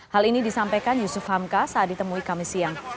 hal ini disampaikan yusuf hamka saat ditemui kami siang